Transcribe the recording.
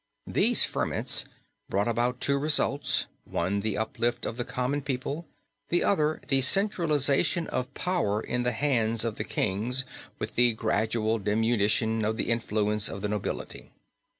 These ferments brought about two results, one the uplift of the common people, the other the centralization of power in the hands of the kings with the gradual diminution of the influence of the nobility.